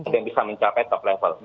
dan bisa mencapai top level